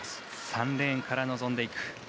３レーンから臨んでいく。